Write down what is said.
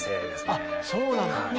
あっそうなんだ。